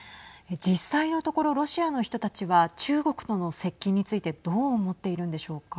実際のところ、ロシアの人たちは中国との接近についてどう思っているんでしょうか。